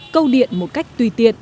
câu điện một cách tùy tiện